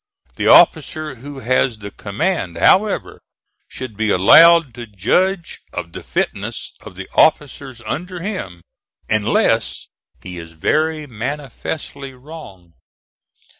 The officer who has the command, however, should be allowed to judge of the fitness of the officers under him, unless he is very manifestly wrong.